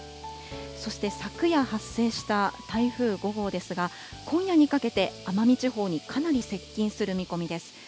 そして昨夜発生した台風５号ですが、今夜にかけて、奄美地方にかなり接近する見込みです。